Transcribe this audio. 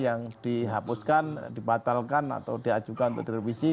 yang dihapuskan dipatalkan atau diajukan untuk revisi